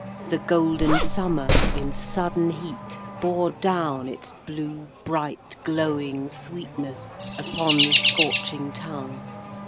The golden summer In sudden heat bore down Its blue, bright, glowing sweetness Upon the scorching town.